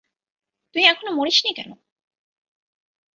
তুই এখনও মরিসনি কেন?